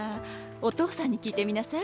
お父さんに聞いてみなさい。